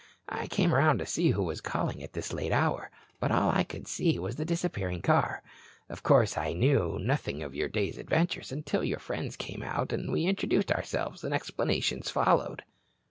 I came around to see who was calling at this late hour, but all I could see was the disappearing car. Of course, I knew nothing of your day's adventures until your friends came out, when we introduced ourselves and explanations followed."